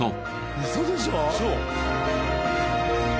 ウソでしょ？